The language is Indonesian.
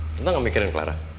tante gak mikirin clara